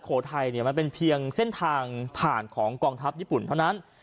โขทัยเนี่ยมันเป็นเพียงเส้นทางผ่านของกองทัพญี่ปุ่นเท่านั้น